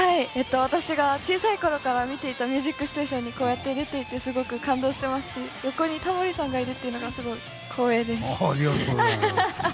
私が、小さいころから見ていた「ミュージックステーション」にこうやって出て感動していますし横にタモリさんがいるというのがすごい光栄です。